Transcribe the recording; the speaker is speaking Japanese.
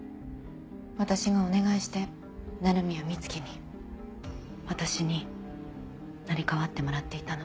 私がお願いして鳴宮美月に私に成り代わってもらっていたの。